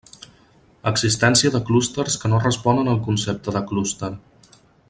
Existència de clústers que no responen al concepte de clúster.